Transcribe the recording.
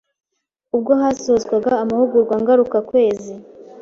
ubwo hasozwaga amahugurwa ngaruka kwezi,